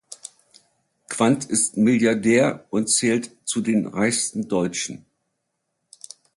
Quandt ist Milliardär und zählt zu den reichsten Deutschen.